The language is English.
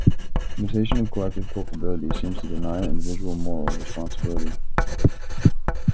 The notion of collective culpability seems to deny individual moral responsibility.